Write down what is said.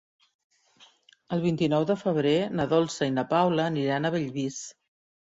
El vint-i-nou de febrer na Dolça i na Paula aniran a Bellvís.